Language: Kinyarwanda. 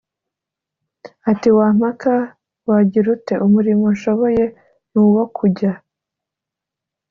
ati: wampaka wagira ute, umurimo nshoboye ni uwo kujya